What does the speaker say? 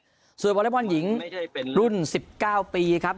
ส่วนวอเล็กบอลหญิงรุ่น๑๙ปีครับ